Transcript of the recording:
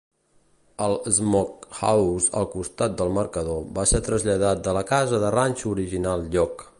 El smokehouse al costat del marcador va ser traslladat de la casa de ranxo original lloc.